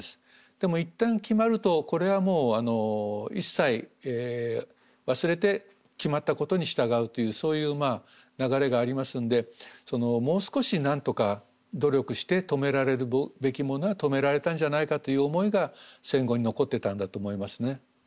でもいったん決まるとこれはもう一切忘れて決まったことに従うというそういう流れがありますんでもう少しなんとか努力して止められるべきものは止められたんじゃないかという思いが戦後に残ってたんだと思いますね。